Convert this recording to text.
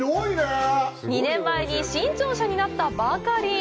２年前に新庁舎になったばかり。